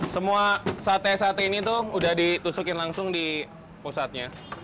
semua sate sate ini tuh udah ditusukin langsung di pusatnya